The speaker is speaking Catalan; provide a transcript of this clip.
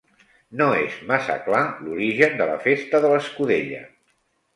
No és massa clar l'origen de la festa de l'escudella.